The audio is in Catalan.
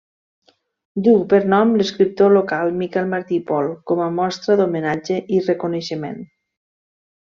Duu per nom l'escriptor local Miquel Martí i Pol com a mostra d'homenatge i reconeixement.